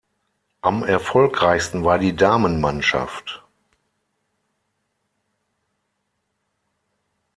Am erfolgreichsten war die Damenmannschaft.